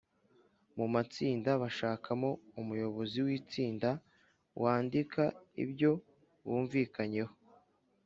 mu matsinda bishakamo umuyobozi w’itsinda wandika ibyo bumvikanyeho